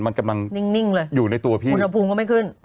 มันกำลังอยู่ในตัวพี่มุนภูมิก็ไม่ขึ้น